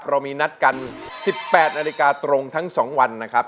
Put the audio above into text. เรามีนัดกัน๑๘นาฬิกาตรงทั้ง๒วันนะครับ